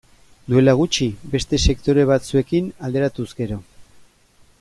Duela gutxi, beste sektore batzuekin alderatuz gero.